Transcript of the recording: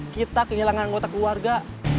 kita kehilangan anggota keluarga